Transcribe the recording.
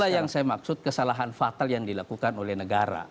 itulah yang saya maksud kesalahan fatal yang dilakukan oleh negara